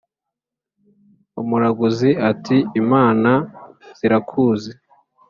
umuraguzi ati"imana zirakuzi